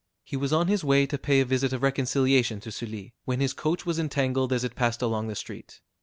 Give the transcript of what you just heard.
He was on his way to pay a visit of reconciliation to Sully, when his coach was entangled as it passed along the street.